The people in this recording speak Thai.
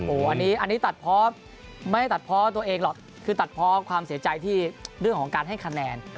อันนี้ตัดเพราะไม่ได้ตัดเพราะตัวเองหรอกคือตัดเพราะความเสียใจที่เรื่องของการให้คะแนน